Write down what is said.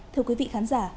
thưa quý vị khán giả